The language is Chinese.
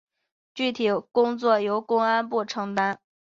具体工作由公安部承担。